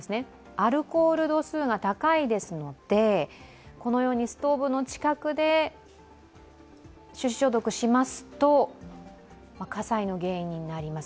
アルコール度数が高いですので、このようにストーブの近くで手指消毒しますと火災の原因になります。